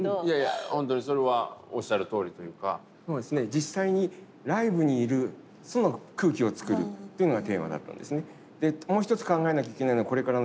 実際にライブにいるその空気を作るというのがテーマだったんですね。